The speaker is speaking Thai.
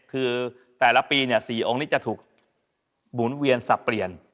คือแต่ละปี๔องค์นี้จะถูกหมุนเวียนสับเปลี่ยน